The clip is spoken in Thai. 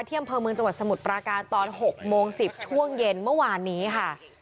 อำเภอเมืองจังหวัดสมุทรปราการตอน๖โมง๑๐ช่วงเย็นเมื่อวานนี้ค่ะ